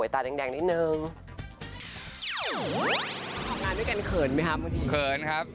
ถ้างานด้วยกันเขินมั้ยค่ะ